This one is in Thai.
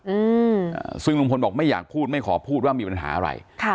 อืมซึ่งลุงพลบอกไม่อยากพูดไม่ขอพูดว่ามีปัญหาอะไรค่ะ